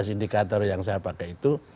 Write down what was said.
empat belas indikator yang saya pakai itu